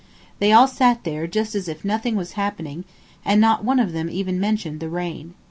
They all sat there just as if nothing was happening, and not one of them even mentioned the rain.